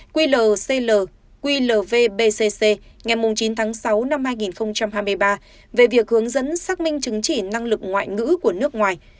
tám trăm tám mươi chín qlcl qlvbcc ngày chín tháng sáu năm hai nghìn hai mươi ba về việc hướng dẫn xác minh chứng chỉ năng lực ngoại ngữ của nước ngoài